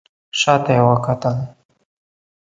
شا ته یې وکتل.